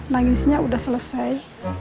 nangisnya udah selesai